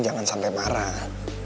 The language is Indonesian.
jangan sampai marah